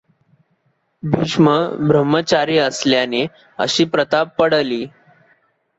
भीष्म ब्रह्मचारी असल्याने अशी प्रथा पडली.